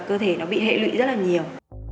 cơ thể nó bị hệ lụy rất là nhiều